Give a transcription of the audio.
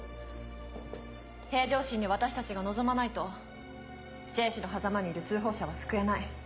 平常心で私たちが臨まないと生死のはざまにいる通報者は救えない。